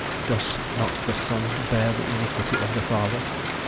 doth not the son bear the iniquity of the father?